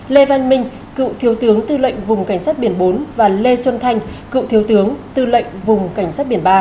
lê văn minh cựu thiếu tướng tư lệnh vùng cảnh sát biển bốn và lê xuân thanh cựu thiếu tướng tư lệnh vùng cảnh sát biển ba